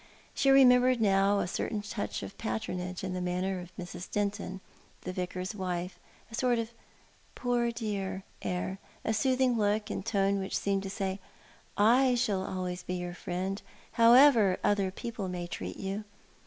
She remembered now a certain touch of patronage in the manner of Mrs. Denton, the vicar's wife, a sort of " poor dear " air ; a soothing look and tone which seemed to say, " I shall always be your friend, however other people may treat you."